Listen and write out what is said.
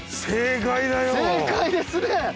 正解ですね！